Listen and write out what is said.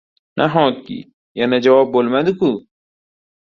Nahotki! Yana javob boʻlmadi-ku!